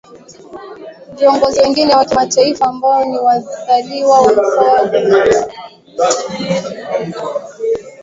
Viongozi wengine wa Kitaifa ambao ni wazaliwa wa Mkoa huu